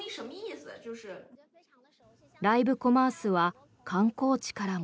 ライブコマースは観光地からも。